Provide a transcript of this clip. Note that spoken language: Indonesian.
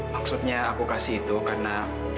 maksudnya aku kasih itu karena